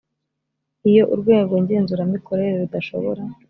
iyo urwego ngenzuramikorere rudashobora